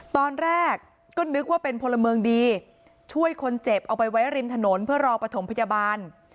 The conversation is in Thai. ตอนแรกก็นึกว่าเป็นพลเมืองดีช่วยคนเจ็บเอาไปไว้ริมถนนเพื่อรอปฐมพยาบาล